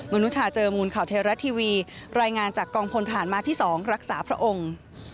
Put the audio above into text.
นุชาเจอมูลข่าวเทราะทีวีรายงานจากกองพลฐานมาที่๒รักษาพระองค์